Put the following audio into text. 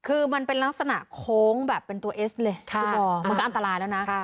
คือมันเป็นลักษณะโค้งแบบเป็นตัวเอสเลยฟุตบอลมันก็อันตรายแล้วนะ